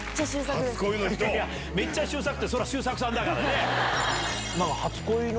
「めっちゃ周作」ってそれは周作さんだからね。